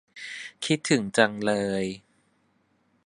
คิดถึงจังเลย